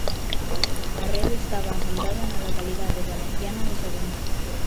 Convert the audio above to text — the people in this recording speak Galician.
A rede estaba asentada na localidade valenciana de Sagunto.